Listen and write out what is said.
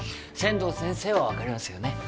仙道先生はわかりますよね？